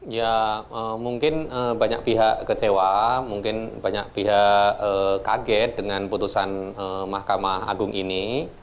ya mungkin banyak pihak kecewa mungkin banyak pihak kaget dengan putusan mahkamah agung ini